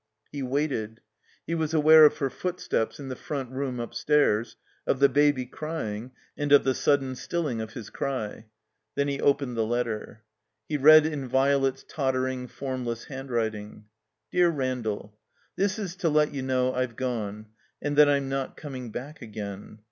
He waited. He was aware of her footsteps in the front room upstairs, of the baby oying, and of the sudden stilling of his cry. Then he opened the letter. He read in Violet's tottering, formless hand writing: Dear Randall, — ^This is to let you know I've gone and that I'm not coming back again.